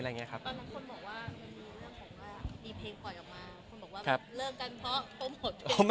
ตอนนั้นคนบอกว่ามีเรื่องแหละมีเพลงปล่อยออกมา